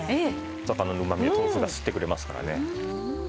魚のうまみを豆腐が吸ってくれますからね。